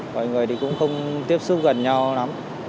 mọi người cũng không tiếp xúc gần nhau lắm